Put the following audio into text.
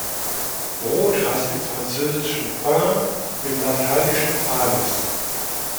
Brot heißt im Französischen "pain", im Lateinischen "panis".